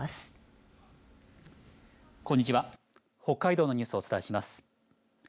北海道のニュースをお伝えします。